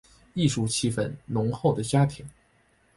艺术气氛浓厚的家庭